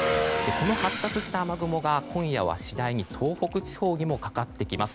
この発達した雨雲が今夜は次第に東北地方にもかかってきます。